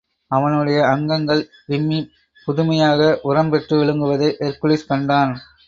அவனுடைய அங்கங்கள் விம்மிப் புதுமையாக உரம் பெற்று விளங்குவதை ஹெர்க்குலிஸ் கண்டான்.